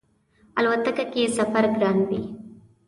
الوتکه کی سفر ګران وی